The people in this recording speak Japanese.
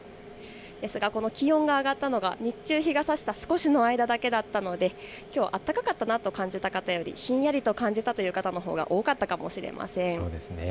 ですが、気温が上がったのが日中、日がさした少しの間だけだったのできょうは暖かかったなと感じた方はよりひんやりと感じた方のほうが多かったんじゃないかと思います。